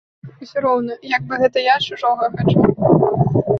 Усё роўна, як бы гэта я чужога хачу.